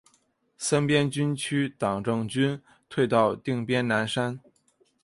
三边分区党政军退到定边南山。